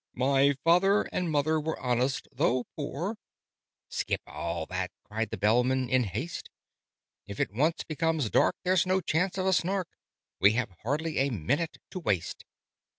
"My father and mother were honest, though poor " "Skip all that!" cried the Bellman in haste. "If it once becomes dark, there's no chance of a Snark We have hardly a minute to waste!"